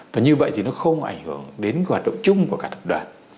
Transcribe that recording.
và như vậy thì nó không ảnh hưởng đến hoạt động chung của cả tập đoàn